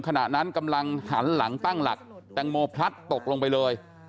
ขณะนั้นกำลังหันหลังตั้งหลักแตงโมพลัดตกลงไปเลย